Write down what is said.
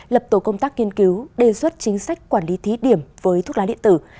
lập tổ công tác kiên cứu đề xuất chính sách quản lý thí điểm với thuốc lá điện tử